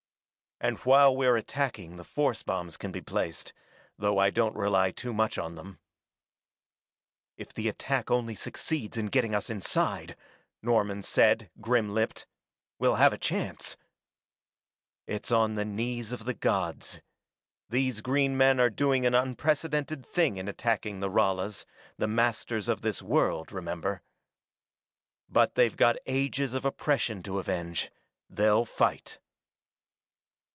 And while we're attacking the force bombs can be placed, though I don't rely too much on them." "If the attack only succeeds in getting us inside," Norman said, grim lipped, "we'll have a chance " "It's on the knees of the gods. These green men are doing an unprecedented thing in attacking the Ralas, the masters of this world, remember. But they've got ages of oppression to avenge; they'll fight."